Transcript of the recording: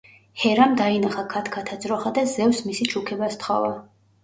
ჰერამ დაინახა ქათქათა ძროხა და ზევსს მისი ჩუქება სთხოვა.